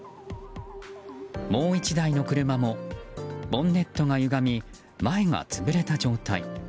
もう１台の車もボンネットが歪み前が潰れた状態。